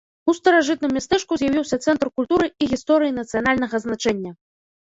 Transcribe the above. У старажытным мястэчку з'явіўся цэнтр культуры і гісторыі нацыянальнага значэння!